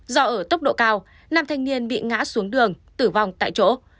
do ở tốc độ cao nam thanh niên bị ngã xuống đường tử vong tại chỗ